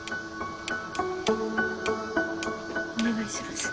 お願いします